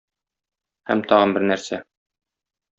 Һәм тагын бер нәрсә.